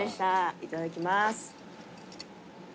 いただきます。